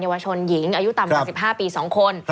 วชนหญิงอายุต่ำกว่า๑๕ปี๒คน